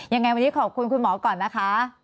ยังไงวันนี้ขอบคุณคุณหมอก่อนนะคะ